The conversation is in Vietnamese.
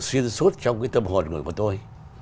xuyên suốt trong cái tâm hồn người của tôi